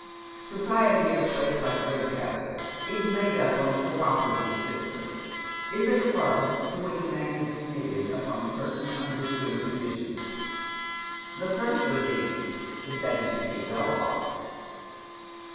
Society in a place like Redcastle is made up on the co operative system — is a club to which a man is admitted upon certain understood conditions. The first of these is that he should be well off."